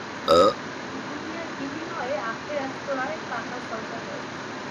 দুনিয়ার বিনিময়ে আখেরাত ক্রয়ের পাকা সওদাগর।